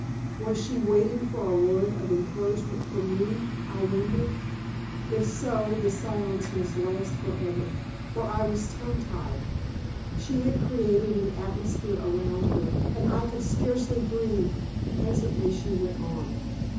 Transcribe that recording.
Was she waiting for a word of encouragement from me, I wondered? If so, the silence must last forever, for I was tongue tied. She had created an atmosphere around her, and I could scarcely breathe. Presently she went on.